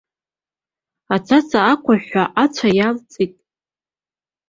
Аӡаӡа ақәыҳәҳә ацәа иалҵит.